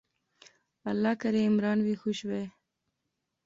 اللہ کرے عمران وی خوش وہے